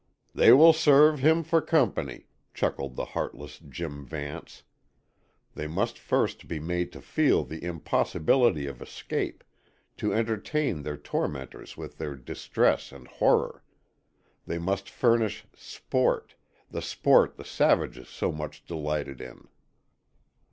"They will serve him for company," chuckled the heartless Jim Vance. They must first be made to feel the impossibility of escape; to entertain their tormentors with their distress and horror. They must furnish sport, the sport the savages so much delighted in.